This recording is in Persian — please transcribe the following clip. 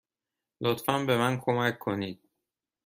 لطفا به من کمک کنید.